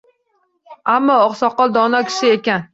Ammo oqsoqol dono kishi ekan.